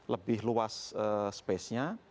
lebih luas spacenya